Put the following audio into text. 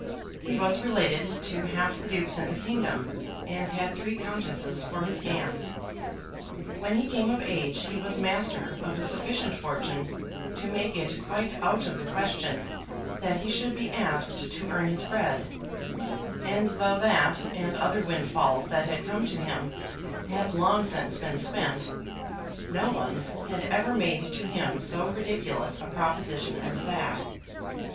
He was related to half the dukes in the kingdom, and had three countesses for his aunts. When he came of age he was master of a sufficient fortune to make it quite out of the question that he should be asked to earn his bread; and though that, and other windfalls that had come to him, had long since been spent, no one had ever made to him so ridiculous a proposition as that.